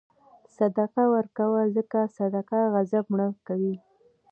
صدقه ورکوه، ځکه صدقه غضب مړه کوي.